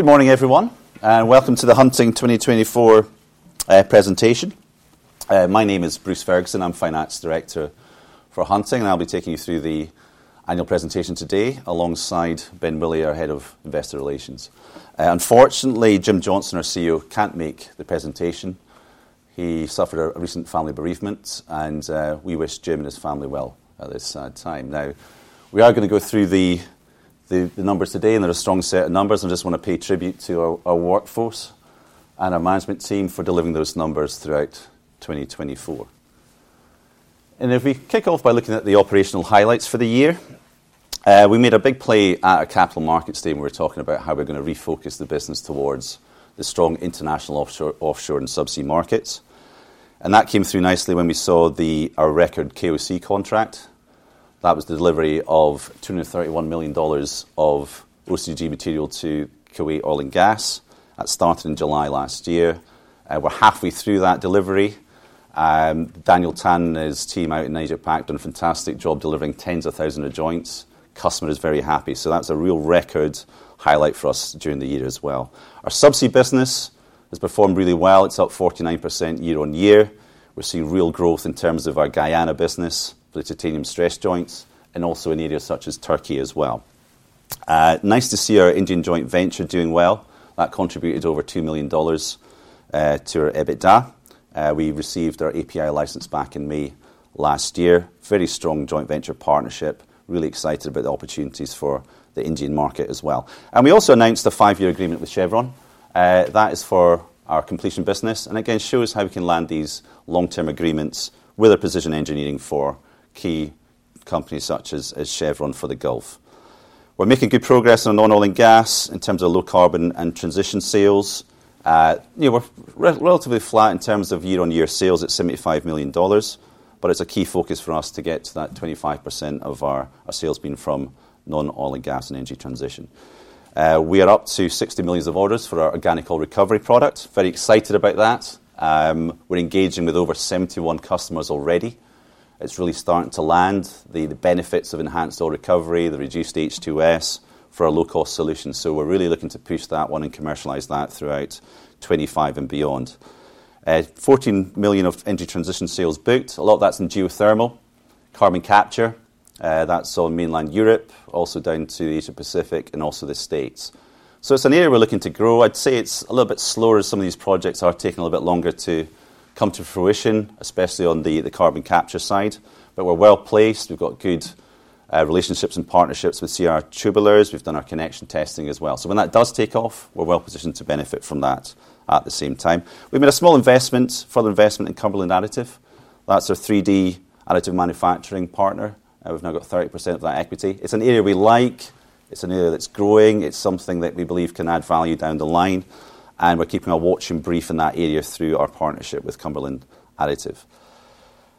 Good morning, everyone, and welcome to the Hunting 2024 presentation. My name is Bruce Ferguson. I'm Finance Director for Hunting, and I'll be taking you through the annual presentation today alongside Ben Willey, our Head of Investor Relations. Unfortunately, Jim Johnson, our CEO, can't make the presentation. He suffered a recent family bereavement, and we wish Jim and his family well at this time. Now, we are going to go through the numbers today, and they're a strong set of numbers. I just want to pay tribute to our workforce and our management team for delivering those numbers throughout 2024. If we kick off by looking at the operational highlights for the year, we made a big play at a Capital Markets Day when we were talking about how we're going to refocus the business towards the strong international offshore and subsea markets. That came through nicely when we saw our record KOC contract. That was the delivery of $231 million of OCTG to Kuwait Oil Gas. That started in July last year. We're halfway through that delivery. Daniel Tan and his team out in Asia-Pacific have done a fantastic job delivering tens of thousands of joints. Customer is very happy. That's a real record highlight for us during the year as well. Our subsea business has performed really well. It's up 49% year on year. We're seeing real growth in terms of our Guyana business, the titanium stress joints, and also in areas such as Turkey as well. Nice to see our Indian joint venture doing well. That contributed over $2 million to our EBITDA. We received our API license back in May last year. Very strong joint venture partnership. Really excited about the opportunities for the Indian market as well. We also announced a five-year agreement with Chevron. That is for our completion business and, again, shows how we can land these long-term agreements with our position engineering for key companies such as Chevron for the Gulf. We are making good progress on non-oil and gas in terms of low carbon and transition sales. We are relatively flat in terms of year-on-year sales at $75 million, but it is a key focus for us to get to that 25% of our sales being from non-oil and gas and energy transition. We are up to $60 million of orders for our organic oil recovery product. Very excited about that. We are engaging with over 71 customers already. It is really starting to land the benefits of enhanced oil recovery, the reduced H2S for a low-cost solution. We're really looking to push that one and commercialize that throughout 2025 and beyond. $14 million of energy transition sales booked. A lot of that's in geothermal, carbon capture. That's on mainland Europe, also down to the Asia-Pacific and also the States. It's an area we're looking to grow. I'd say it's a little bit slower as some of these projects are taking a little bit longer to come to fruition, especially on the carbon capture side. We're well placed. We've got good relationships and partnerships with CR Tubulars. We've done our connection testing as well. When that does take off, we're well positioned to benefit from that at the same time. We made a small investment, further investment in Cumberland Additive. That's our 3D additive manufacturing partner. We've now got 30% of that equity. It's an area we like. It's an area that's growing. It's something that we believe can add value down the line. We are keeping a watch and brief in that area through our partnership with Cumberland Additive.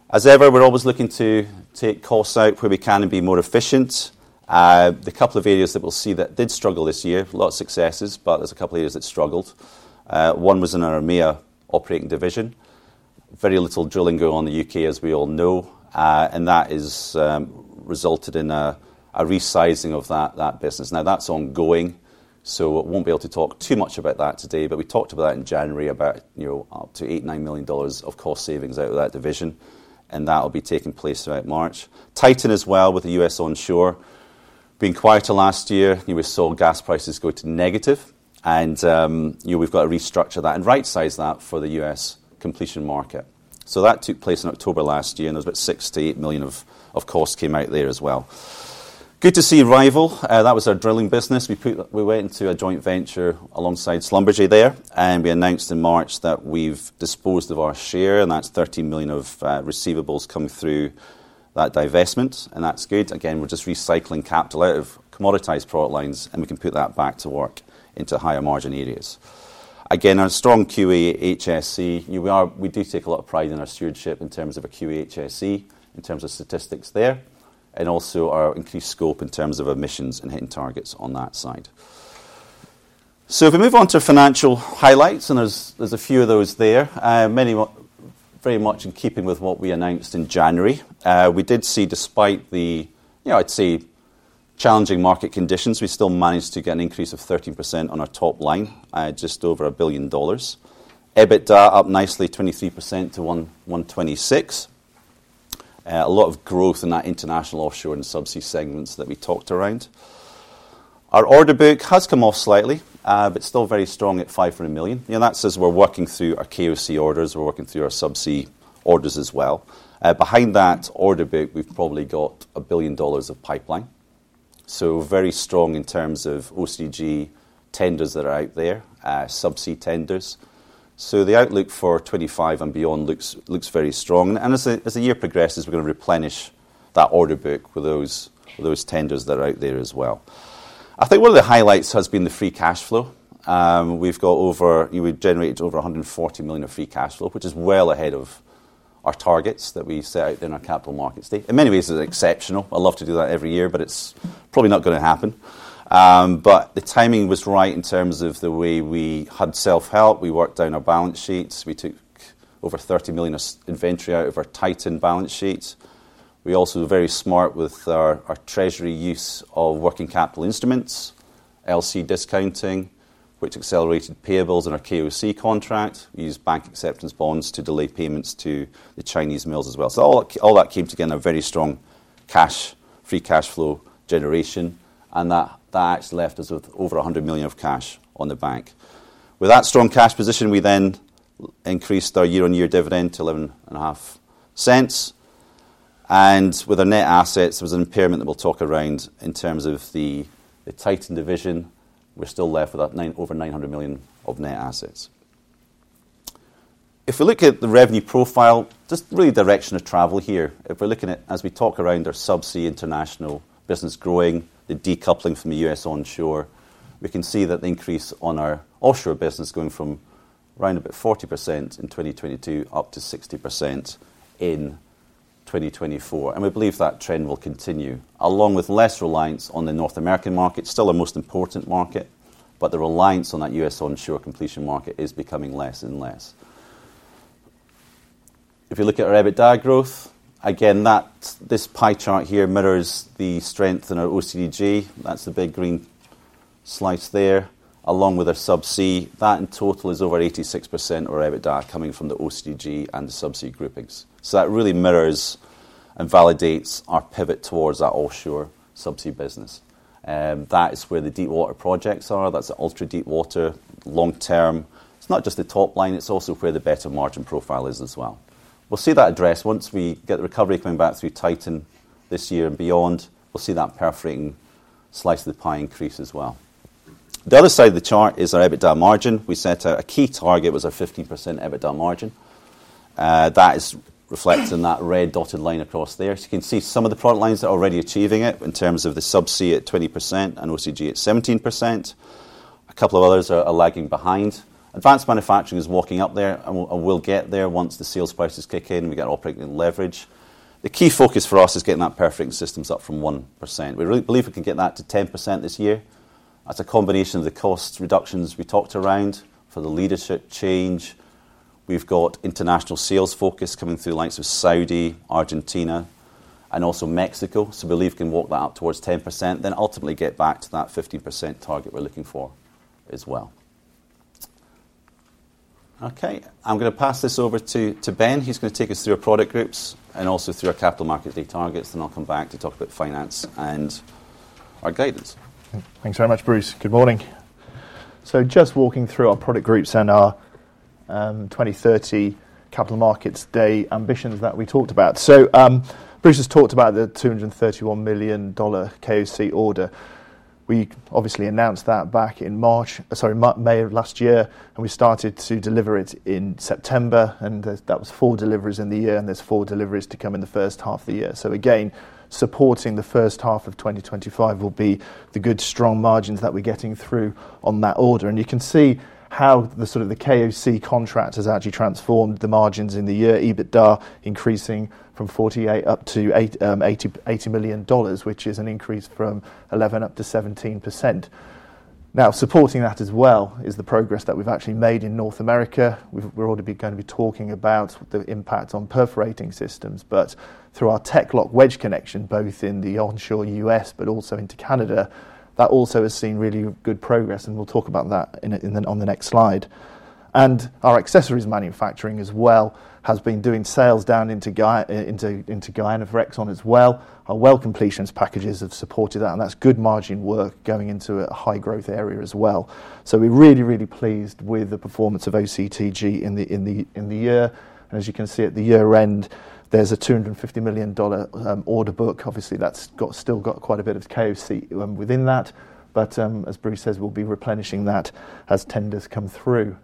As ever, we are always looking to take costs out where we can and be more efficient. The couple of areas that we will see that did struggle this year, a lot of successes, but there is a couple of areas that struggled. One was in our MEA operating division. Very little drilling going on in the U.K., as we all know. That has resulted in a resizing of that business. Now, that is ongoing. We will not be able to talk too much about that today. We talked about that in January, about up to $8-9 million of cost savings out of that division. That will be taking place throughout March. Titan as well with the U.S. onshore. Being quieter last year, we saw gas prices go to negative. We have got to restructure that and right-size that for the U.S. completion market. That took place in October last year. There was about $6 million-$8 million of costs came out there as well. Good to see Rival. That was our drilling business. We went into a joint venture alongside Schlumberger there. We announced in March that we have disposed of our share. That is $13 million of receivables coming through that divestment. That is good. Again, we are just recycling capital out of commoditized product lines. We can put that back to work into higher margin areas. Again, our strong QHSE. We do take a lot of pride in our stewardship in terms of QHSE, in terms of statistics there, and also our increased scope in terms of emissions and hitting targets on that side. If we move on to financial highlights, and there are a few of those there, many very much in keeping with what we announced in January. We did see, despite the, I'd say, challenging market conditions, we still managed to get an increase of 13% on our top line, just over a billion dollars. EBITDA up nicely, 23% to $126 million. A lot of growth in that international offshore and subsea segments that we talked around. Our order book has come off slightly, but still very strong at $500 million. That is as we are working through our KOC orders. We are working through our subsea orders as well. Behind that order book, we've probably got a billion dollars of pipeline. Very strong in terms of OCTG tenders that are out there, subsea tenders. The outlook for 2025 and beyond looks very strong. As the year progresses, we're going to replenish that order book with those tenders that are out there as well. I think one of the highlights has been the free cash flow. We've got over, we've generated over $140 million of free cash flow, which is well ahead of our targets that we set out there in our Capital Markets Day. In many ways, it's exceptional. I'd love to do that every year, but it's probably not going to happen. The timing was right in terms of the way we had self-help. We worked down our balance sheets. We took over $30 million of inventory out of our Titan balance sheets. We also were very smart with our treasury use of working capital instruments, LC discounting, which accelerated payables in our KOC contract. We used bank acceptance bonds to delay payments to the Chinese mills as well. All that came together in a very strong cash, free cash flow generation. That has left us with over $100 million of cash on the bank. With that strong cash position, we then increased our year-on-year dividend to $0.115. With our net assets, there was an impairment that we'll talk around in terms of the Titan division. We're still left with over $900 million of net assets. If we look at the revenue profile, just really direction of travel here. If we're looking at, as we talk around our subsea international business growing, the decoupling from the U.S. onshore, we can see that the increase on our offshore business going from around about 40% in 2022 up to 60% in 2024. We believe that trend will continue, along with less reliance on the North American market. Still our most important market, but the reliance on that U.S. onshore completion market is becoming less and less. If you look at our EBITDA growth, again, this pie chart here mirrors the strength in our OCTG. That's the big green slice there, along with our subsea. That in total is over 86% of our EBITDA coming from the OCTG and the subsea groupings. That really mirrors and validates our pivot towards that offshore subsea business. That is where the deepwater projects are. That's the ultra deepwater long-term. It's not just the top line. It's also where the better margin profile is as well. We'll see that address once we get the recovery coming back through Titan this year and beyond. We'll see that perforating slice of the pie increase as well. The other side of the chart is our EBITDA margin. We set out a key target was a 15% EBITDA margin. That is reflected in that red dotted line across there. You can see some of the product lines are already achieving it in terms of the subsea at 20% and OCTG at 17%. A couple of others are lagging behind. Advanced Manufacturing is walking up there. And we'll get there once the sales prices kick in and we get operating leverage. The key focus for us is getting that perforating systems up from 1%. We really believe we can get that to 10% this year. That's a combination of the cost reductions we talked around for the leadership change. We've got international sales focus coming through the likes of Saudi, Argentina, and also Mexico. We believe we can walk that up towards 10%, then ultimately get back to that 15% target we're looking for as well. Okay. I'm going to pass this over to Ben. He's going to take us through our product groups and also through our Capital Markets Day targets. I'll come back to talk about finance and our guidance. Thanks very much, Bruce. Good morning. Just walking through our product groups and our 2030 Capital Markets Day ambitions that we talked about. Bruce has talked about the $231 million KOC order. We obviously announced that back in March, sorry, May of last year. We started to deliver it in September. That was four deliveries in the year. There are four deliveries to come in the first half of the year. Supporting the first half of 2025 will be the good, strong margins that we're getting through on that order. You can see how the KOC contract has actually transformed the margins in the year. EBITDA increasing from $48 up to $80 million, which is an increase from 11% up to 17%. Supporting that as well is the progress that we've actually made in North America. We're already going to be talking about the impact on perforating systems. Through our TEC-LOCK Wedge Connection, both in the onshore U.S., but also into Canada, that also has seen really good progress. We'll talk about that on the next slide. Our accessories manufacturing as well has been doing sales down into Guyana of Rexon as well. Our well completions packages have supported that. That's good margin work going into a high growth area as well. We're really, really pleased with the performance of OCTG in the year. As you can see at the year end, there's a $250 million order book. Obviously, that's still got quite a bit of KOC within that. As Bruce says, we'll be replenishing that as tenders come through.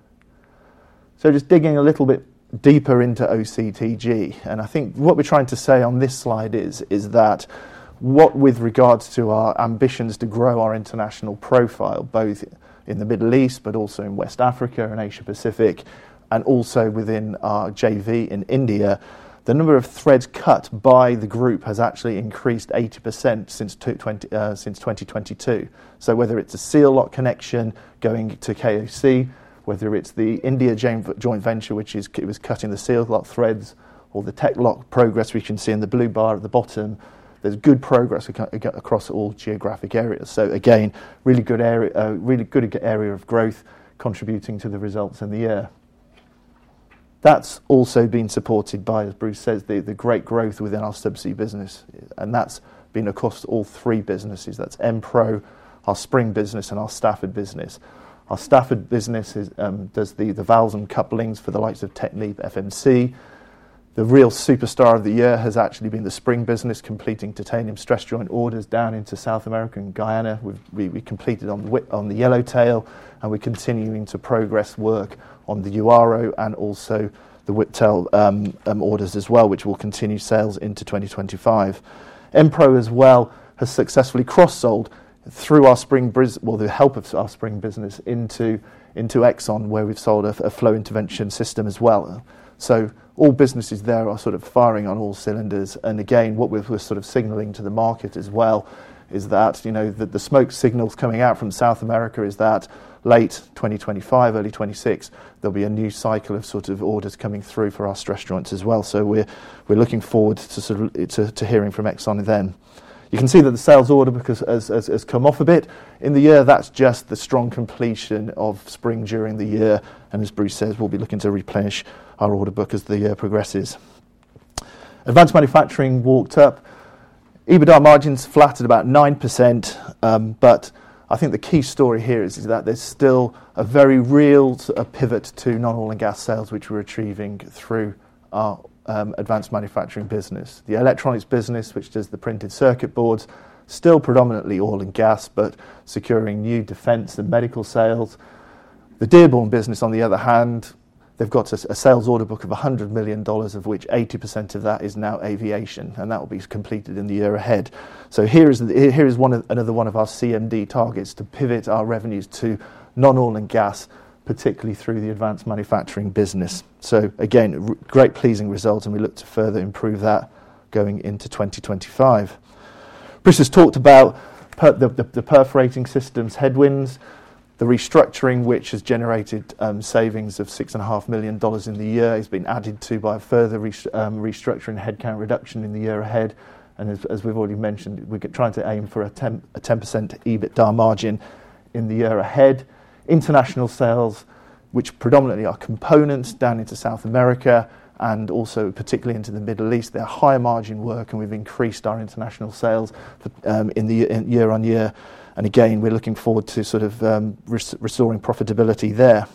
Just digging a little bit deeper into OCTG. I think what we're trying to say on this slide is that with regards to our ambitions to grow our international profile, both in the Middle East, but also in West Africa and Asia-Pacific, and also within our JV in India, the number of threads cut by the group has actually increased 80% since 2022. Whether it's a SEAL-LOCK Connection going to KOC, whether it's the India joint venture, which was cutting the SEAL-LOCK threads, or the TEC-LOCK progress we can see in the blue bar at the bottom, there's good progress across all geographic areas. Again, really good area of growth contributing to the results in the year. That's also been supported by, as Bruce says, the great growth within our subsea business. That's been across all three businesses. That's M-Pro, our Spring business, and our Stafford business. Our Stafford business does the valves and couplings for the likes of TechnipFMC. The real superstar of the year has actually been the Spring business completing titanium stress joint orders down into South America and Guyana. We completed on the Yellowtail. We are continuing to progress work on the Uaru and also the Whiptail orders as well, which will continue sales into 2025. M-Pro as well has successfully cross-sold through our Spring, with the help of our Spring business into Exxon, where we've sold a flow intervention system as well. All businesses there are sort of firing on all cylinders. What we're sort of signaling to the market as well is that the smoke signals coming out from South America is that late 2025, early 2026, there will be a new cycle of sort of orders coming through for our stress joints as well. We are looking forward to hearing from Exxon then. You can see that the sales order book has come off a bit in the year. That is just the strong completion of spring during the year. As Bruce says, we will be looking to replenish our order book as the year progresses. Advanced manufacturing walked up. EBITDA margins flat at about 9%. I think the key story here is that there is still a very real pivot to non-oil and gas sales, which we are achieving through our advanced manufacturing business. The electronics business, which does the printed circuit boards, still predominantly oil and gas, but securing new defense and medical sales. The Dearborn business, on the other hand, they have got a sales order book of $100 million, of which 80% of that is now aviation. That will be completed in the year ahead. Here is another one of our CMD targets to pivot our revenues to non-oil and gas, particularly through the advanced manufacturing business. Again, great pleasing results. We look to further improve that going into 2025. Bruce has talked about the perforating systems headwinds. The restructuring, which has generated savings of $6.5 million in the year, has been added to by a further restructuring headcount reduction in the year ahead. As we have already mentioned, we are trying to aim for a 10% EBITDA margin in the year ahead. International sales, which predominantly are components down into South America and also particularly into the Middle East, are high margin work. We have increased our international sales in the year on year. Again, we are looking forward to sort of restoring profitability there.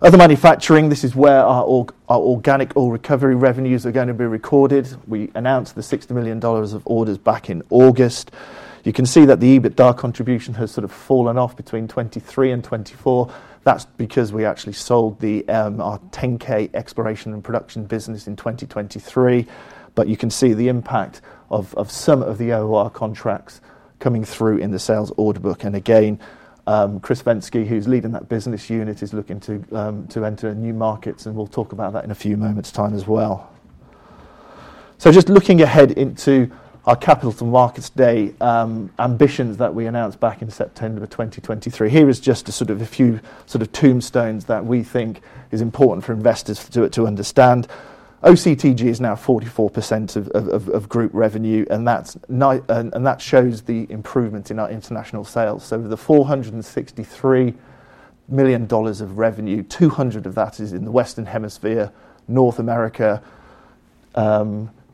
Other manufacturing, this is where our organic oil recovery revenues are going to be recorded. We announced the $60 million of orders back in August. You can see that the EBITDA contribution has sort of fallen off between 2023 and 2024. That's because we actually sold our 10K exploration and production business in 2023. You can see the impact of some of the OR contracts coming through in the sales order book. Again, Chris Bensky, who's leading that business unit, is looking to enter new markets. We'll talk about that in a few moments' time as well. Just looking ahead into our capital to markets day ambitions that we announced back in September 2023, here is just a sort of a few sort of tombstones that we think is important for investors to understand. OCTG is now 44% of group revenue. That shows the improvement in our international sales. The $463 million of revenue, 200 of that is in the Western Hemisphere, North America.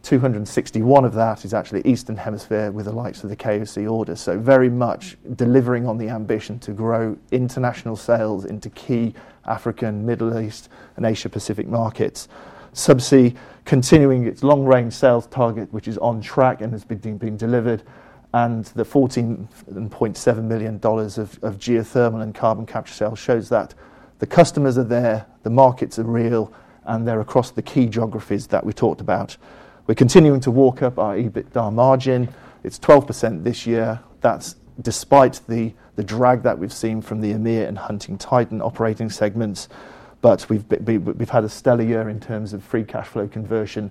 261 of that is actually Eastern Hemisphere with the likes of the KOC orders. Very much delivering on the ambition to grow international sales into key African, Middle East, and Asia-Pacific markets. Subsea continuing its long-range sales target, which is on track and has been delivered. The $14.7 million of geothermal and carbon capture sales shows that the customers are there, the markets are real, and they're across the key geographies that we talked about. We're continuing to walk up our EBITDA margin. It's 12% this year. That's despite the drag that we've seen from the EMEA and Hunting Titan operating segments. We've had a stellar year in terms of free cash flow conversion.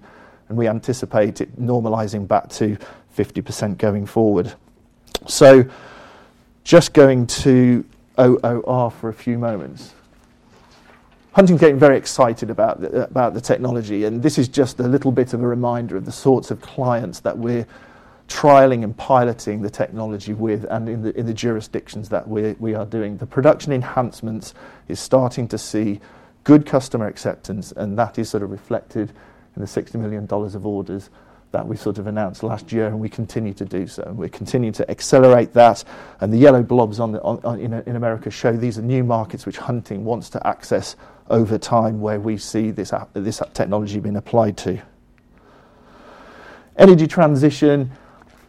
We anticipate it normalizing back to 50% going forward. Just going to OR for a few moments. Hunting's getting very excited about the technology. This is just a little bit of a reminder of the sorts of clients that we're trialing and piloting the technology with and in the jurisdictions that we are doing. The production enhancements is starting to see good customer acceptance. That is sort of reflected in the $60 million of orders that we sort of announced last year. We continue to do so. We're continuing to accelerate that. The yellow blobs in America show these are new markets which Hunting wants to access over time where we see this technology being applied to. Energy transition,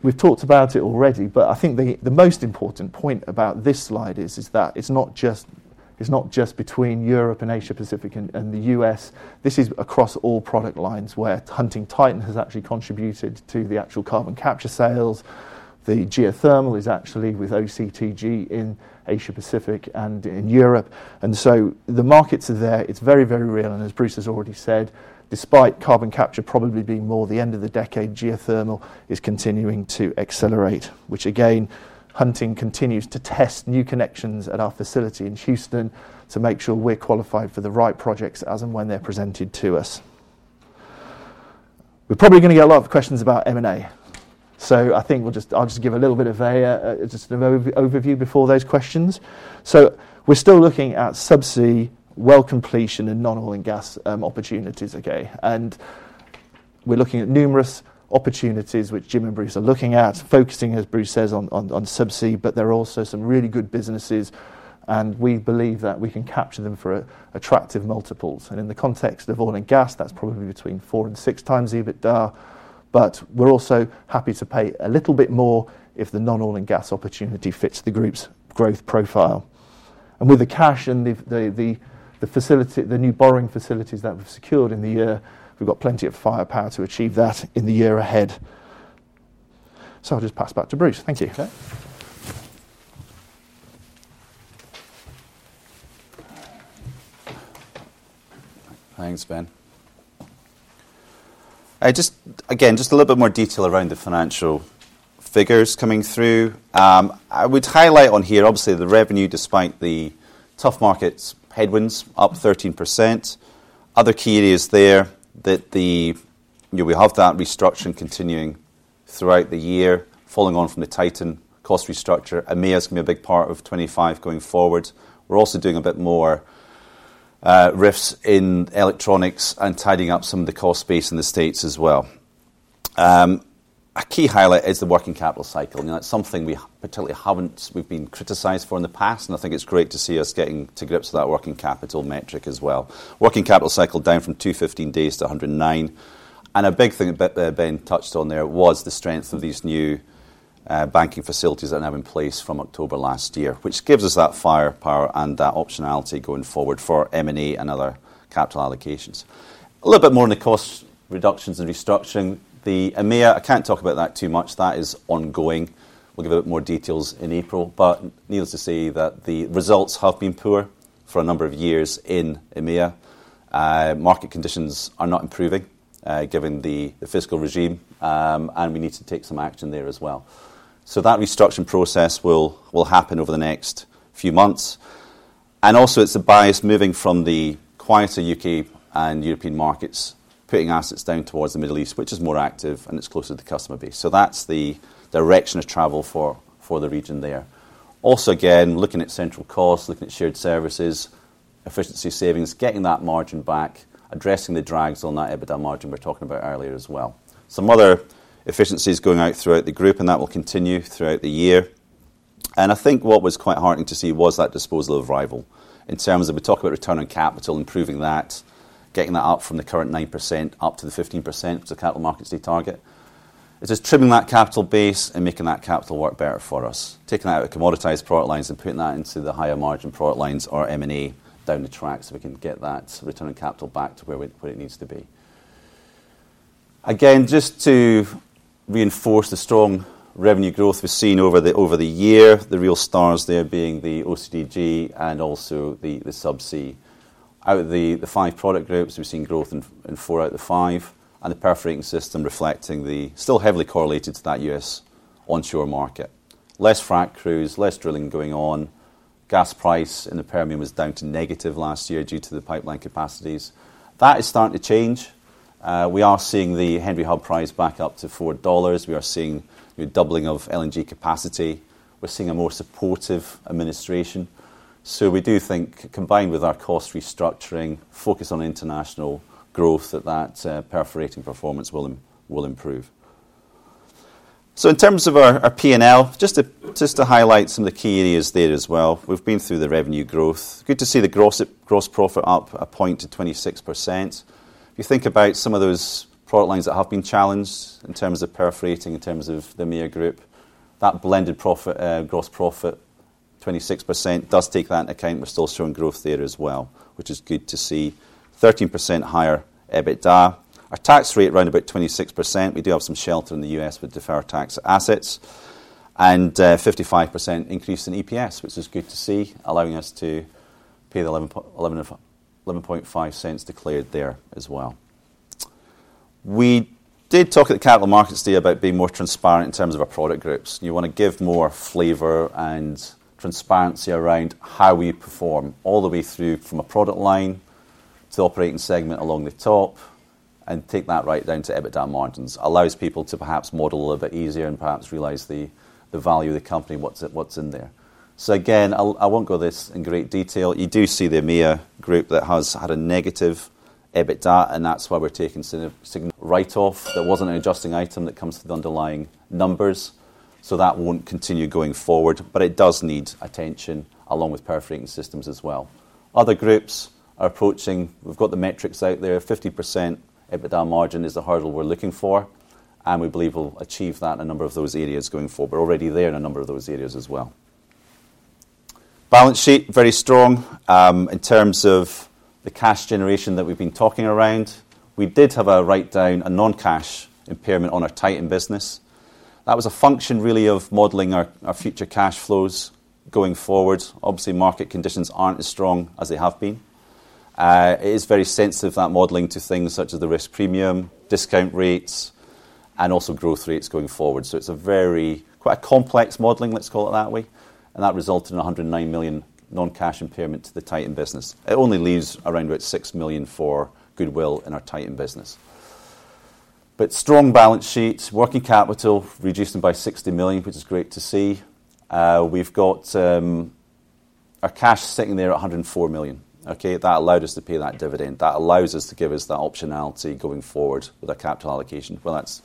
we've talked about it already. I think the most important point about this slide is that it's not just between Europe and Asia-Pacific and the US. This is across all product lines where Hunting Titan has actually contributed to the actual carbon capture sales. The geothermal is actually with OCTG in Asia-Pacific and in Europe. The markets are there. It's very, very real. As Bruce has already said, despite carbon capture probably being more the end of the decade, geothermal is continuing to accelerate, which again, Hunting continues to test new connections at our facility in Houston to make sure we're qualified for the right projects as and when they're presented to us. We're probably going to get a lot of questions about M&A. I think I'll just give a little bit of an overview before those questions. We're still looking at subsea well completion and non-oil and gas opportunities, okay? We're looking at numerous opportunities which Jim and Bruce are looking at, focusing, as Bruce says, on subsea. There are also some really good businesses. We believe that we can capture them for attractive multiples. In the context of oil and gas, that is probably between four to six times EBITDA. We are also happy to pay a little bit more if the non-oil and gas opportunity fits the group's growth profile. With the cash and the new borrowing facilities that we have secured in the year, we have plenty of firepower to achieve that in the year ahead. I will just pass back to Bruce. Thank you. Thanks, Ben. Just again, just a little bit more detail around the financial figures coming through. I would highlight on here, obviously, the revenue despite the tough markets headwinds, up 13%. Other key areas there that we have that restructuring continuing throughout the year, following on from the Titan cost restructure. EMEA's going to be a big part of 2025 going forward. We're also doing a bit more RIFS in electronics and tidying up some of the cost space in the States as well. A key highlight is the working capital cycle. That's something we particularly haven't been criticized for in the past. I think it's great to see us getting to grips with that working capital metric as well. Working capital cycle down from 215 days to 109. A big thing that Ben touched on there was the strength of these new banking facilities that now have been placed from October last year, which gives us that firepower and that optionality going forward for M&A and other capital allocations. A little bit more on the cost reductions and restructuring. The EMEA, I can't talk about that too much. That is ongoing. We'll give a bit more details in April. Needless to say that the results have been poor for a number of years in EMEA. Market conditions are not improving given the fiscal regime. We need to take some action there as well. That restructuring process will happen over the next few months. Also, it's a bias moving from the quieter U.K. and European markets, putting assets down towards the Middle East, which is more active and it's closer to the customer base. That's the direction of travel for the region there. Also, again, looking at central costs, looking at shared services, efficiency savings, getting that margin back, addressing the drags on that EBITDA margin we were talking about earlier as well. Some other efficiencies going out throughout the group. That will continue throughout the year. I think what was quite heartening to see was that disposal of Rival in terms of we talk about returning capital, improving that, getting that up from the current 9% up to the 15%, which the capital markets they target. It's just trimming that capital base and making that capital work better for us. Taking that out of commoditized product lines and putting that into the higher margin product lines or M&A down the track so we can get that returning capital back to where it needs to be. Again, just to reinforce the strong revenue growth we've seen over the year, the real stars there being the OCTG and also the subsea. Out of the five product groups, we've seen growth in four out of the five. The perforating system reflecting the still heavily correlated to that US onshore market. Less frack crews, less drilling going on. Gas price and the premium was down to negative last year due to the pipeline capacities. That is starting to change. We are seeing the Henry Hub price back up to $4. We are seeing a doubling of LNG capacity. We're seeing a more supportive administration. We do think combined with our cost restructuring, focus on international growth that that perforating performance will improve. In terms of our P&L, just to highlight some of the key areas there as well. We've been through the revenue growth. Good to see the gross profit up a point to 26%. If you think about some of those product lines that have been challenged in terms of perforating, in terms of the EMEA group, that blended gross profit, 26%, does take that into account. We're still showing growth there as well, which is good to see. 13% higher EBITDA. Our tax rate around about 26%. We do have some shelter in the U.S. with deferred tax assets. A 55% increase in EPS, which is good to see, allowing us to pay the $0.115 declared there as well. We did talk at the Capital Markets Day about being more transparent in terms of our product groups. You want to give more flavor and transparency around how we perform all the way through from a product line to the operating segment along the top and take that right down to EBITDA margins. Allows people to perhaps model a little bit easier and perhaps realize the value of the company, what's in there. Again, I won't go this in great detail. You do see the EMEA group that has had a negative EBITDA. That is why we're taking signal write-off. There was not an adjusting item that comes to the underlying numbers. That will not continue going forward. It does need attention along with perforating systems as well. Other groups are approaching. We've got the metrics out there. 50% EBITDA margin is the hurdle we're looking for. We believe we'll achieve that in a number of those areas going forward. We're already there in a number of those areas as well. Balance sheet very strong in terms of the cash generation that we've been talking around. We did have a write-down, a non-cash impairment on our Titan business. That was a function really of modeling our future cash flows going forward. Obviously, market conditions aren't as strong as they have been. It is very sensitive, that modeling, to things such as the risk premium, discount rates, and also growth rates going forward. It is quite a complex modeling, let's call it that way. That resulted in a $109 million non-cash impairment to the Titan business. It only leaves around about $6 million for Goodwill in our Titan business. Strong balance sheet, working capital reduced by $60 million, which is great to see. We've got our cash sitting there at $104 million. Okay? That allowed us to pay that dividend. That allows us to give us that optionality going forward with our capital allocation. Whether that's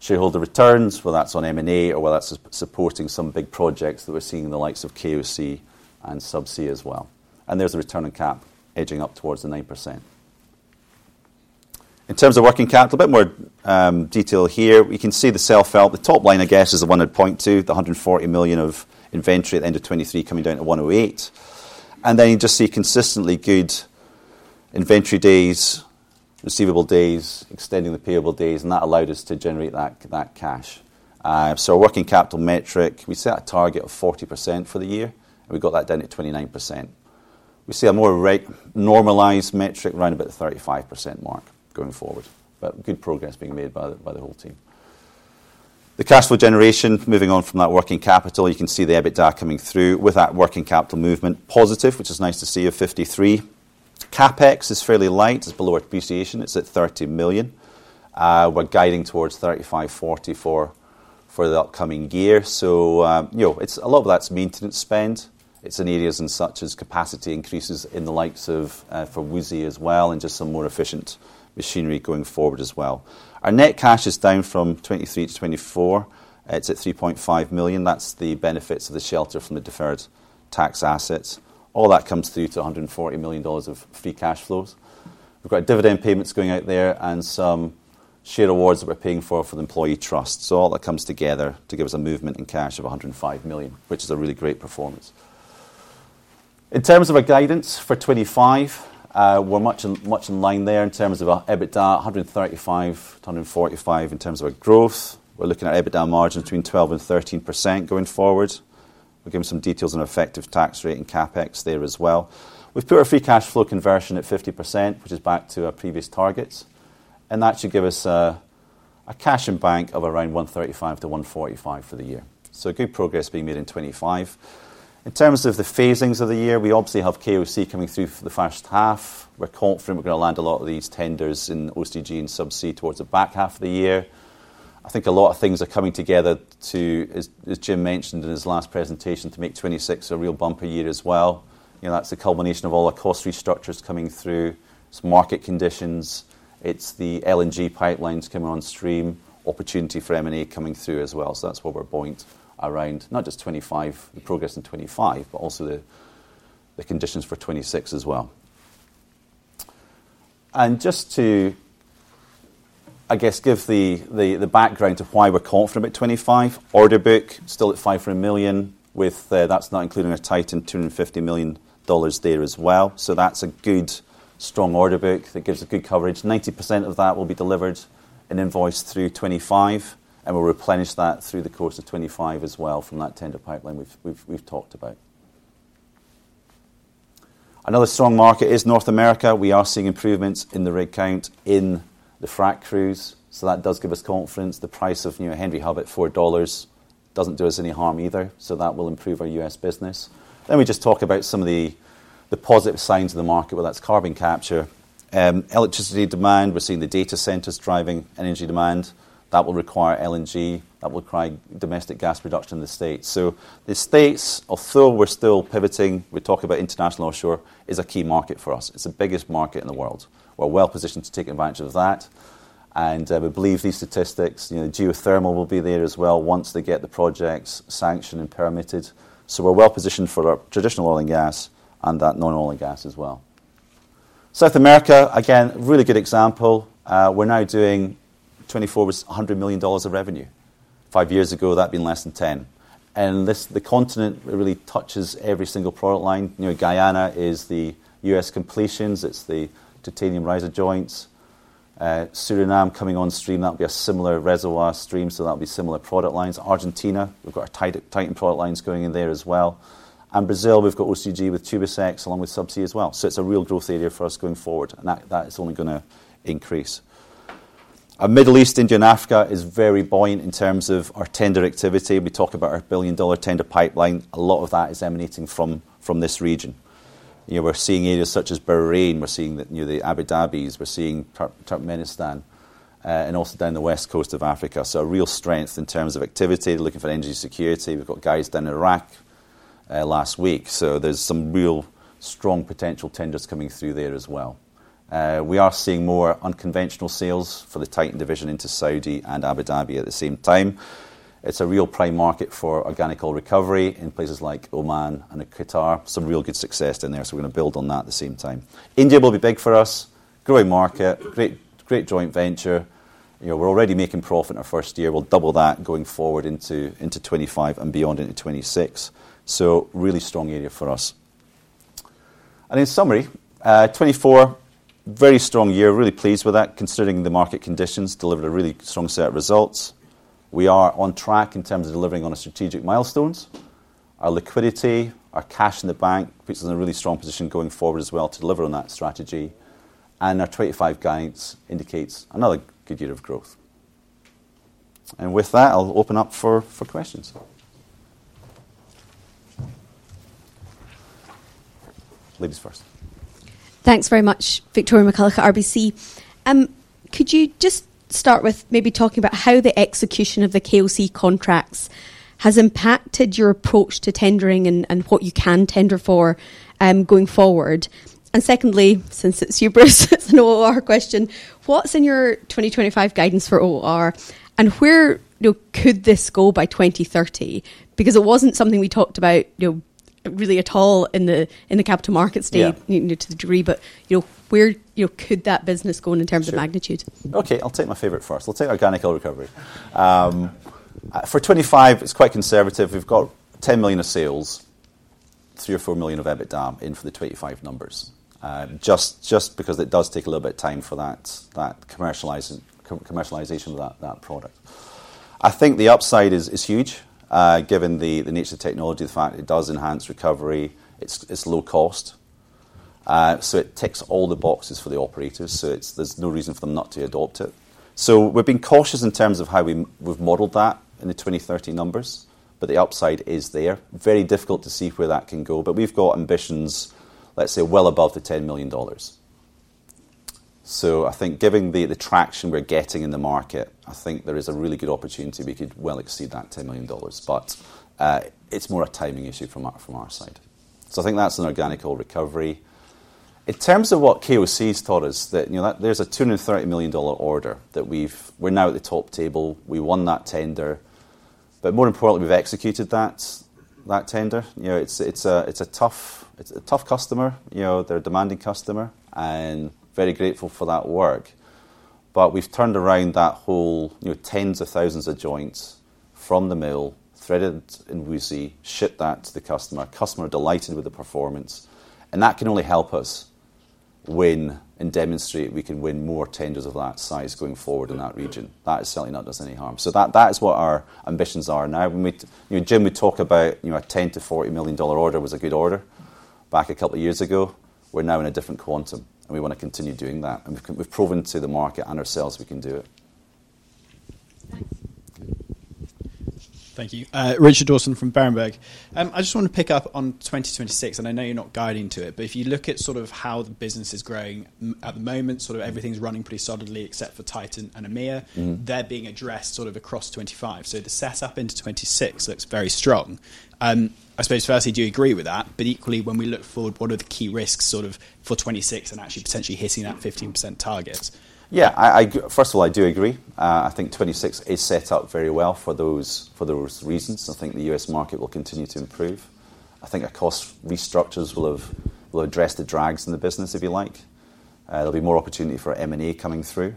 shareholder returns, whether that's on M&A, or whether that's supporting some big projects that we're seeing in the likes of KOC and subsea as well. There is a returning cap edging up towards the 9%. In terms of working capital, a bit more detail here. We can see the sell fell. The top line, I guess, is the one I'd point to, the $140 million of inventory at the end of 2023 coming down to $108 million. You just see consistently good inventory days, receivable days, extending the payable days. That allowed us to generate that cash. Our working capital metric, we set a target of 40% for the year. We got that down to 29%. We see a more normalized metric around about the 35% mark going forward. Good progress being made by the whole team. The cash flow generation, moving on from that working capital, you can see the EBITDA coming through with that working capital movement positive, which is nice to see, of 53. CapEx is fairly light. It is below depreciation. It is at $30 million. We are guiding towards $35-$40 million for the upcoming year. A lot of that is maintenance spend. It is in areas such as capacity increases in the likes of for Wuxi as well and just some more efficient machinery going forward as well. Our net cash is down from 2023 to 2024. It is at $3.5 million. That is the benefit of the shelter from the deferred tax assets. All that comes through to $140 million of free cash flows. We've got dividend payments going out there and some share awards that we're paying for for the employee trusts. All that comes together to give us a movement in cash of $105 million, which is a really great performance. In terms of our guidance for 2025, we're much in line there in terms of our EBITDA, $135 million-$145 million in terms of our growth. We're looking at EBITDA margins between 12%-13% going forward. We'll give some details on our effective tax rate and CapEx there as well. We've put our free cash flow conversion at 50%, which is back to our previous targets. That should give us a cash in bank of around $135 million-$145 million for the year. Good progress being made in 2025. In terms of the phasings of the year, we obviously have KOC coming through for the first half. We're confident we're going to land a lot of these tenders in OCTG and subsea towards the back half of the year. I think a lot of things are coming together to, as Jim mentioned in his last presentation, to make 2026 a real bumper year as well. That's the culmination of all our cost restructures coming through. It's market conditions. It's the LNG pipelines coming on stream, opportunity for M&A coming through as well. That's what we're buoyant around, not just 2025, the progress in 2025, but also the conditions for 2026 as well. Just to, I guess, give the background of why we're confident about 2025, order book still at $500 million with that's not including our Titan $250 million there as well. That's a good, strong order book that gives a good coverage. 90% of that will be delivered in invoice through 2025. We will replenish that through the course of 2025 as well from that tender pipeline we have talked about. Another strong market is North America. We are seeing improvements in the rig count in the frack crews. That does give us confidence. The price of Henry Hub at $4 does not do us any harm either. That will improve our U.S. business. We just talk about some of the positive signs of the market, whether that is carbon capture, electricity demand. We are seeing the data centers driving energy demand. That will require LNG. That will require domestic gas production in the States. The States, although we are still pivoting, we are talking about international offshore, is a key market for us. It is the biggest market in the world. We are well positioned to take advantage of that. We believe these statistics, geothermal will be there as well once they get the projects sanctioned and permitted. We are well positioned for our traditional oil and gas and that non-oil and gas as well. South America, again, really good example. We are now doing $24 million of revenue. Five years ago, that had been less than 10. The continent really touches every single product line. Guyana is the U.S. completions. It is the titanium riser joints. Suriname coming on stream. That will be a similar reservoir stream. That will be similar product lines. Argentina, we have got our Titan product lines going in there as well. Brazil, we shave got OCTG with tubing specs along with subsea as well. It is a real growth area for us going forward. That is only going to increase. Our Middle East, India, and Africa is very buoyant in terms of our tender activity. We talk about our billion-dollar tender pipeline. A lot of that is emanating from this region. We're seeing areas such as Bahrain. We're seeing the Abu Dhabis. We're seeing Turkmenistan and also down the west coast of Africa. A real strength in terms of activity. Looking for energy security. We've got guys down in Iraq last week. There's some real strong potential tenders coming through there as well. We are seeing more unconventional sales for the Titan division into Saudi and Abu Dhabi at the same time. It's a real prime market for organic oil recovery in places like Oman and Qatar. Some real good success in there. We're going to build on that at the same time. India will be big for us. Growing market. Great joint venture. We're already making profit in our first year. We'll double that going forward into 2025 and beyond into 2026. Really strong area for us. In summary, 2024, very strong year. Really pleased with that. Considering the market conditions, delivered a really strong set of results. We are on track in terms of delivering on our strategic milestones. Our liquidity, our cash in the bank puts us in a really strong position going forward as well to deliver on that strategy. Our 2025 guidance indicates another good year of growth. With that, I'll open up for questions. Ladies first. Thanks very much, Victoria McCulloc at RBC. Could you just start with maybe talking about how the execution of the KOC contracts has impacted your approach to tendering and what you can tender for going forward? Secondly, since it's you, Bruce, it's an OR question. What's in your 2025 guidance for OR? Where could this go by 2030? Because it was not something we talked about really at all in the Capital Markets Day to the degree. Where could that business go in terms of magnitude? Okay. I'll take my favourite first. I'll take organic oil recovery. For 2025, it is quite conservative. We have $10 million of sales, $3 million or $4 million of EBITDA in for the 2025 numbers. Just because it does take a little bit of time for that commercialisation of that product. I think the upside is huge given the nature of the technology, the fact it does enhance recovery. It is low cost. It ticks all the boxes for the operators. There is no reason for them not to adopt it. We have been cautious in terms of how we have modelled that in the 2030 numbers. The upside is there. Very difficult to see where that can go. But we've got ambitions, let's say, well above the $10 million. I think given the traction we're getting in the market, I think there is a really good opportunity. We could well exceed that $10 million. It's more a timing issue from our side. I think that's an organic oil recovery. In terms of what KOC's taught us, there's a $230 million order that we're now at the top table. We won that tender. More importantly, we've executed that tender. It's a tough customer. They're a demanding customer. Very grateful for that work. We've turned around that whole tens of thousands of joints from the mill, threaded in Wuxi, shipped that to the customer. Customer delighted with the performance. That can only help us win and demonstrate we can win more tenders of that size going forward in that region. That has certainly not done us any harm. That is what our ambitions are now. Jim, we talk about a $10-$40 million order was a good order back a couple of years ago. We are now in a different quantum. We want to continue doing that. We have proven to the market and ourselves we can do it. Thanks. Thank you. Richard Dawson from Berenberg. I just want to pick up on 2026. I know you are not guiding to it. If you look at sort of how the business is growing at the moment, sort of everything is running pretty solidly except for Titan and EMEA. They are being addressed across 2025. The setup into 2026 looks very strong. I suppose firstly, do you agree with that? But equally, when we look forward, what are the key risks sort of for 2026 and actually potentially hitting that 15% target? Yeah. First of all, I do agree. I think 2026 is set up very well for those reasons. I think the US market will continue to improve. I think our cost restructures will address the drags in the business, if you like. There'll be more opportunity for M&A coming through.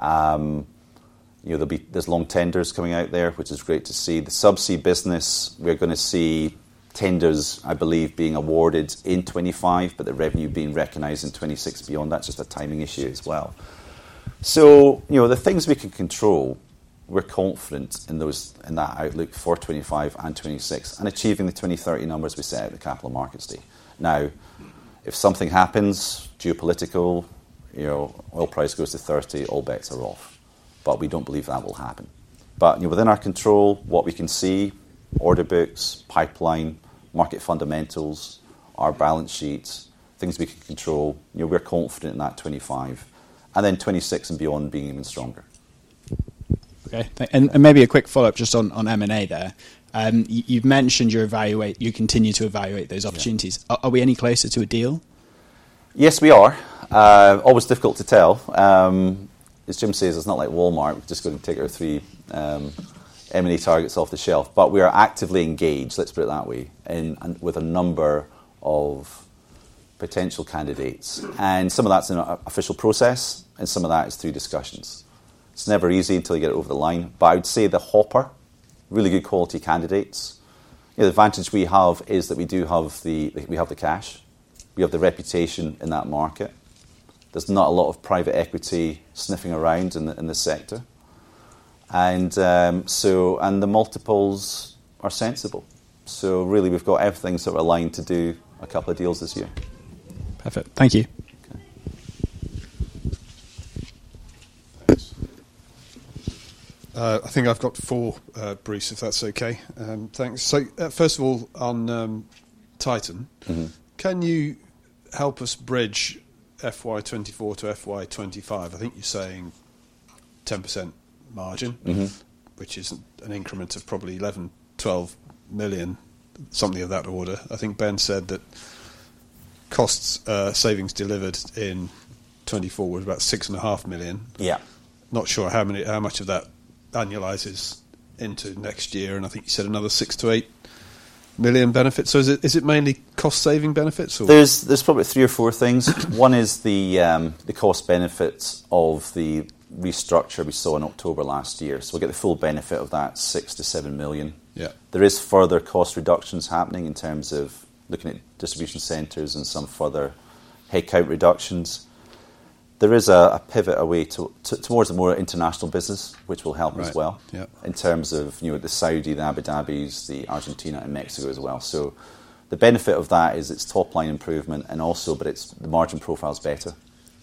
There's long tenders coming out there, which is great to see. The subsea business, we're going to see tenders, I believe, being awarded in 2025, but the revenue being recognised in 2026 beyond. That's just a timing issue as well. The things we can control, we're confident in that outlook for 2025 and 2026 and achieving the 2030 numbers we set at the Capital Markets Day. Now, if something happens, geopolitical, oil price goes to $30, all bets are off. We do not believe that will happen. Within our control, what we can see, order books, pipeline, market fundamentals, our balance sheets, things we can control, we are confident in that '25. '26 and beyond being even stronger. Okay. Maybe a quick follow-up just on M&A there. You have mentioned you continue to evaluate those opportunities. Are we any closer to a deal? Yes, we are. Always difficult to tell. As Jim says, it is not like Walmart just going to take our three M&A targets off the shelf. We are actively engaged, let us put it that way, with a number of potential candidates. Some of that is in an official process. Some of that is through discussions. It is never easy until you get it over the line. I would say the hopper, really good quality candidates. The advantage we have is that we do have the cash. We have the reputation in that market. There's not a lot of private equity sniffing around in the sector. The multiples are sensible. Really, we've got everything sort of aligned to do a couple of deals this year. Perfect. Thank you. I think I've got four, Bruce, if that's okay. Thanks. First of all, on Titan, can you help us bridge FY2024 to FY2025? I think you're saying 10% margin, which is an increment of probably $11 million-$12 million, something of that order. I think Ben said that cost savings delivered in 2024 was about $6.5 million. Not sure how much of that annualizes into next year. I think you said another $6 million-$8 million benefits. Is it mainly cost saving benefits? There are probably three or four things. One is the cost benefits of the restructure we saw in October last year. We will get the full benefit of that $6 million-$7 million. There are further cost reductions happening in terms of looking at distribution centers and some further headcount reductions. There is a pivot away towards a more international business, which will help as well in terms of the Saudi, the Abu Dhabi's, Argentina, and Mexico as well. The benefit of that is it is top-line improvement. Also, the margin profile is better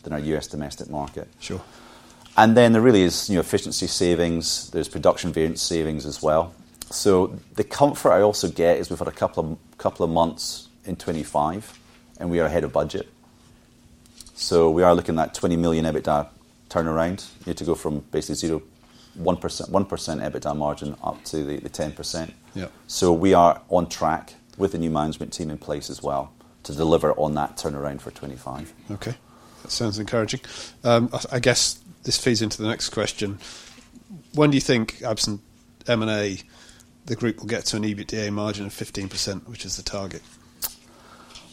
than our US domestic market. There really are efficiency savings. There are production variance savings as well. The comfort I also get is we have had a couple of months in 2025, and we are ahead of budget. We are looking at that $20 million EBITDA turnaround to go from basically 0 to 1% EBITDA margin up to the 10%. We are on track with the new management team in place as well to deliver on that turnaround for 2025. Okay. That sounds encouraging. I guess this feeds into the next question. When do you think, absent M&A, the group will get to an EBITDA margin of 15%, which is the target?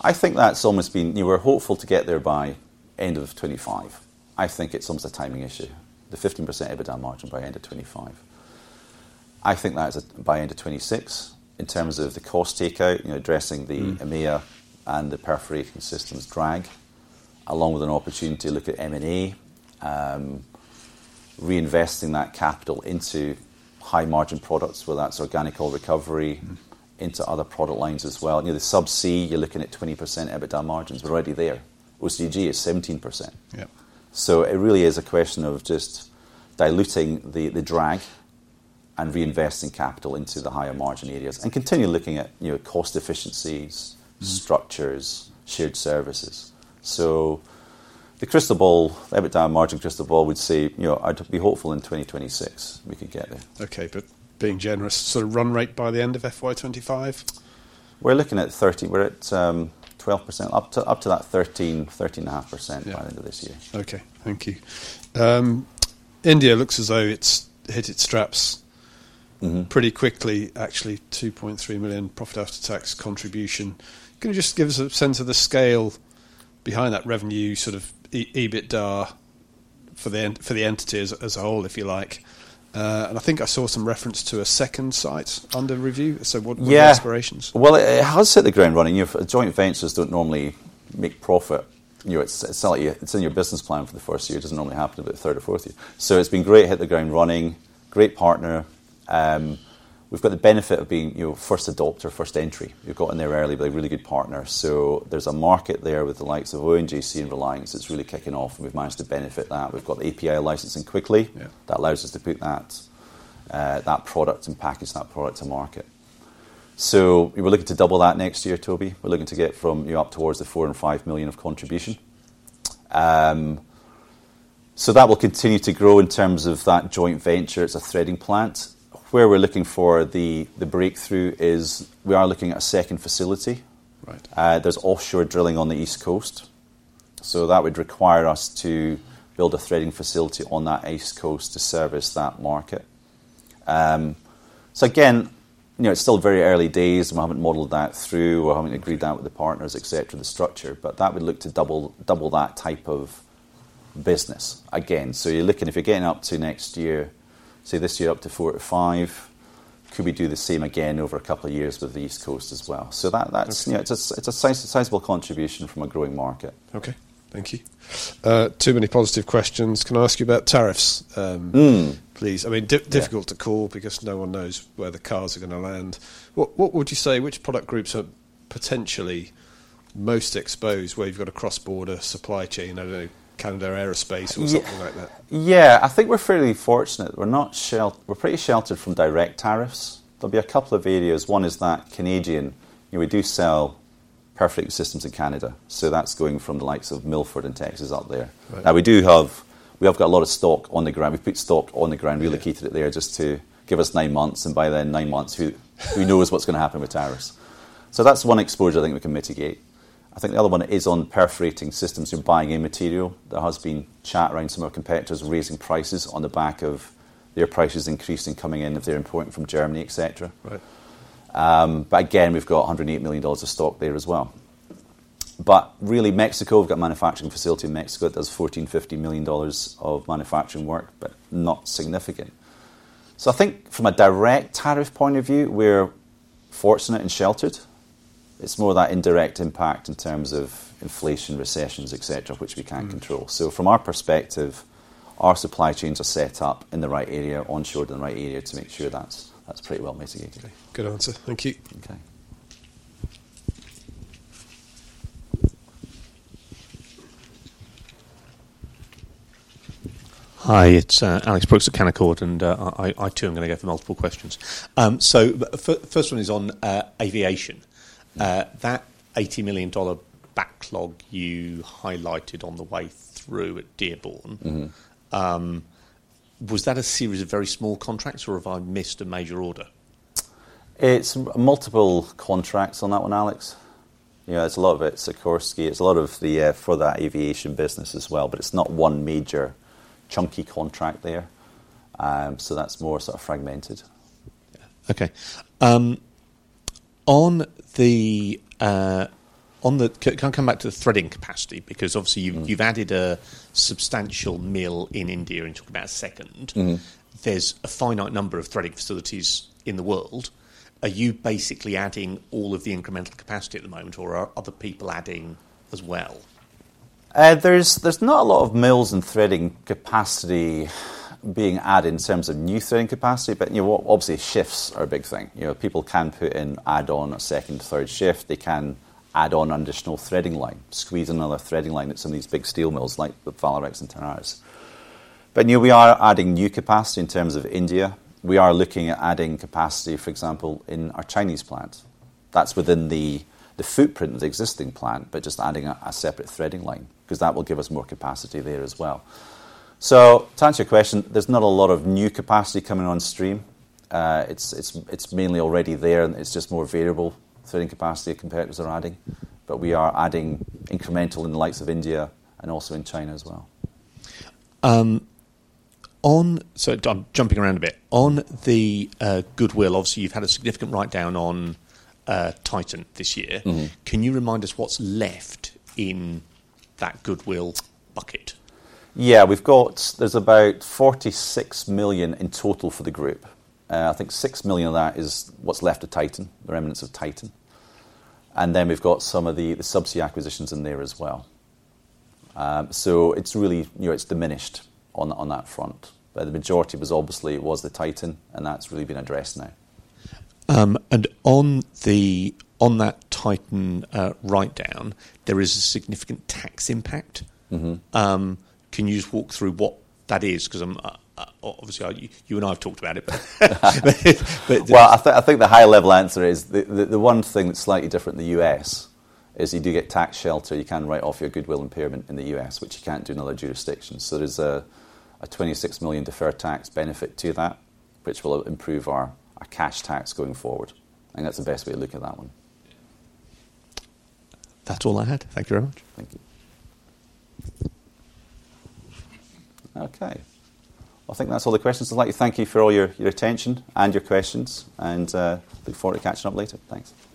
I think that's almost been we're hopeful to get there by end of 2025. I think it's almost a timing issue. The 15% EBITDA margin by end of 2025. I think that's by end of 2026 in terms of the cost takeout, addressing the EMEA and the perforating systems drag, along with an opportunity to look at M&A, reinvesting that capital into high-margin products, whether that's organic oil recovery, into other product lines as well. The subsea, you're looking at 20% EBITDA margins already there. OCTG is 17%. It really is a question of just diluting the drag and reinvesting capital into the higher margin areas and continue looking at cost efficiencies, structures, shared services. The crystal ball, EBITDA margin crystal ball, we'd say I'd be hopeful in 2026 we could get there. Okay. Being generous, sort of run rate by the end of FY2025? We're looking at 13. We're at 12%, up to that 13-13.5% by the end of this year. Okay. Thank you. India looks as though it's hit its straps pretty quickly, actually. $2.3 million profit after tax contribution. Can you just give us a sense of the scale behind that revenue, sort of EBITDA for the entity as a whole, if you like? I think I saw some reference to a second site under review. What are your aspirations? It has hit the ground running. Joint ventures do not normally make profit. It is in your business plan for the first year. It does not normally happen in the third or fourth year. It has been great to hit the ground running. Great partner. We have got the benefit of being first adopter, first entry. We have gotten there early by a really good partner. There is a market there with the likes of ONGC and Reliance that is really kicking off. We have managed to benefit that. We have got the API licensing quickly. That allows us to put that product and package that product to market. We are looking to double that next year, Toby. We are looking to get up towards the $4 million and $5 million of contribution. That will continue to grow in terms of that joint venture. It is a threading plant. Where we are looking for the breakthrough is we are looking at a second facility. There is offshore drilling on the East Coast. That would require us to build a threading facility on that East Coast to service that market. It is still very early days. We have not modelled that through. We have not agreed that with the partners, etc., the structure. That would look to double that type of business again. You are looking, if you are getting up to next year, say this year up to four to five, could we do the same again over a couple of years with the East Coast as well? It is a sizable contribution from a growing market. Okay. Thank you. Too many positive questions. I want to ask you about tariffs, please. I mean, difficult to call because no one knows where the cards are going to land. What would you say, which product groups are potentially most exposed where you have a cross-border supply chain, I do not know, Canada or aerospace or something like that? Yeah. I think we are fairly fortunate. We are pretty sheltered from direct tariffs. There will be a couple of areas. One is that Canadian, we do sell perforating systems in Canada. That is going from the likes of Milford and Texas up there. Now, we do have got a lot of stock on the ground. We've put stock on the ground, relocated it there just to give us nine months. By then, nine months, who knows what's going to happen with tariffs? That's one exposure I think we can mitigate. I think the other one is on perforating systems. We're buying in material. There has been chat around some of our competitors raising prices on the back of their prices increasing coming in if they're importing from Germany, etc. Again, we've got $108 million of stock there as well. Really, Mexico, we've got a manufacturing facility in Mexico that does $14-$15 million of manufacturing work, but not significant. I think from a direct tariff point of view, we're fortunate and sheltered. It's more of that indirect impact in terms of inflation, recessions, etc., which we can't control. From our perspective, our supply chains are set up in the right area, onshore in the right area to make sure that's pretty well mitigated. Okay. Good answer. Thank you. Okay. Hi, it's Alex Brooks at Canaccord. And I too am going to get multiple questions. First one is on aviation. That $80 million backlog you highlighted on the way through at Dearborn, was that a series of very small contracts or have I missed a major order? It's multiple contracts on that one, Alex. Yeah, it's a lot of it. It's a course key. It's a lot of the for that aviation business as well. But it's not one major chunky contract there. That's more sort of fragmented. Okay. Can I come back to the threading capacity? Because obviously, you've added a substantial mill in India. We're talking about a second. There's a finite number of threading facilities in the world. Are you basically adding all of the incremental capacity at the moment or are other people adding as well? There's not a lot of mills and threading capacity being added in terms of new threading capacity. Obviously, shifts are a big thing. People can put in, add on a second, third shift. They can add on an additional threading line, squeeze another threading line at some of these big steel mills like Vallourec and Tenaris. We are adding new capacity in terms of India. We are looking at adding capacity, for example, in our Chinese plant. That's within the footprint of the existing plant, but just adding a separate threading line because that will give us more capacity there as well. To answer your question, there's not a lot of new capacity coming on stream. It's mainly already there. It's just more variable threading capacity that competitors are adding. We are adding incremental in the likes of India and also in China as well. Jumping around a bit, on the Goodwill, obviously, you've had a significant write-down on Titan this year. Can you remind us what's left in that Goodwill bucket? Yeah. There's about $46 million in total for the group. I think $6 million of that is what's left of Titan, the remnants of Titan. We've got some of the subsea acquisitions in there as well. It's diminished on that front. The majority was obviously the Titan, and that's really been addressed now. On that Titan write-down, there is a significant tax impact. Can you just walk through what that is? Because obviously, you and I have talked about it. I think the high-level answer is the one thing that's slightly different in the U.S. is you do get tax shelter. You can write off your Goodwill impairment in the U.S., which you can't do in other jurisdictions. There is a $26 million deferred tax benefit to that, which will improve our cash tax going forward. I think that's the best way to look at that one. That's all I had. Thank you very much. Thank you. Okay. I think that's all the questions. I'd like to thank you for all your attention and your questions. I look forward to catching up later. Thanks.